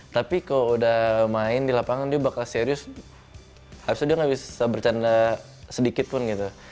tapi kalau udah main di lapangan dia bakal serius harusnya dia nggak bisa bercanda sedikit pun gitu